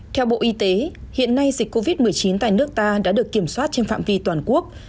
theo bộ y tế hiện nay dịch covid một mươi chín tại nước ta đã được kiểm soát trên phạm vi toàn quốc